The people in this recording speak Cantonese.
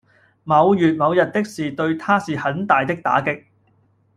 某月某日的事對他是很大的打擊